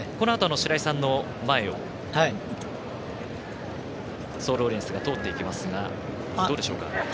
白井さんの前をソールオリエンスが通っていきますがどうでしょうか。